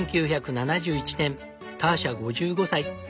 １９７１年ターシャ５５歳。